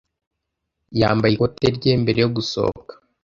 Yambaye ikoti rye mbere yo gusohoka.